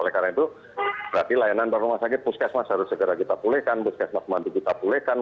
oleh karena itu berarti layanan baru rumah sakit puskesmas harus segera kita pulihkan puskesmas mantu kita pulihkan